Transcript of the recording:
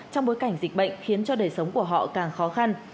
trong bối cảnh dịch bệnh khiến cho đời sống của họ càng khó khăn